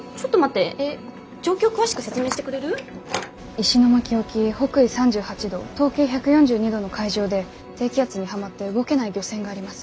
石巻沖北緯３８度東経１４２度の海上で低気圧にはまって動けない漁船があります。